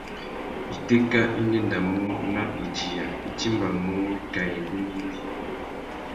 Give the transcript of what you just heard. Itéka i ndéndamú à idiya, i timbamú wikā igunú ibi.